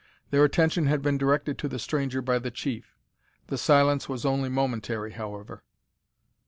Their attention had been directed to the stranger by the chief. The silence was only momentary, however.